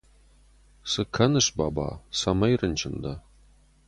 Цы кӕныс, баба, цӕмӕй рынчын дӕ?